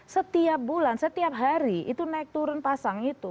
setiap bulan setiap hari itu naik turun pasang itu